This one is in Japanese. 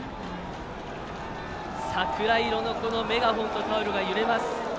桜色のメガホンとタオルが揺れます。